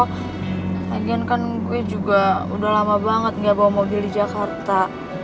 lagian kan gue juga udah lama banget nggak bawa mobil di jakarta